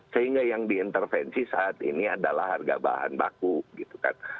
sehingga yang diintervensi saat ini adalah harga bahan baku gitu kan